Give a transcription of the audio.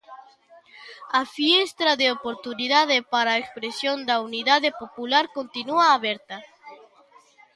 A fiestra de oportunidade para a expresión da unidade popular continúa aberta.